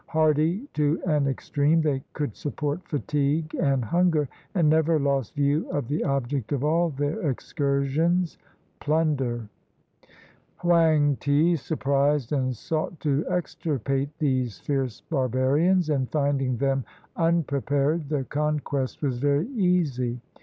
Hardy to an extreme, they could support fatigue and hunger; and never lost view of the object of all their excursions — plunder. Hoang ti surprised and sought to extirpate these fierce barbarians; and finding them unprepared, the conquest was very easy.